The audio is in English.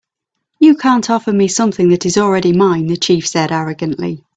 "You can't offer me something that is already mine," the chief said, arrogantly.